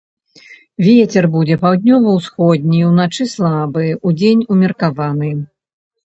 Вецер будзе паўднёва-ўсходні, уначы слабы, удзень умеркаваны.